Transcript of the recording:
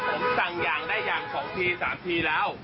ผมสั่งยางได้อย่าง๒ที๓ทีแล้ว